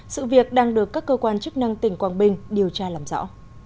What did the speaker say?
sự việc đang được các cơ quan chức năng tỉnh quảng bình điều tra làm rõ